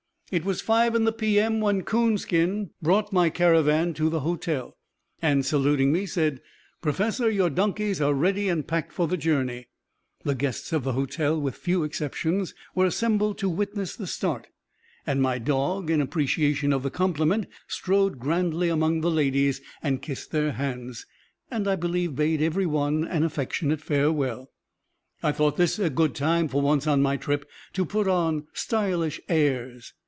It was five in the p. m. when Coonskin brought my caravan to the hotel, and saluting me, said, "Professor, your donkeys are ready and packed for the journey." The guests of the hotel, with few exceptions, were assembled to witness the start, and my dog in appreciation of the compliment strode grandly among the ladies and kissed their hands, and I believe bade every one an affectionate farewell. I thought this a good time, for once on my trip, to put on stylish "airs."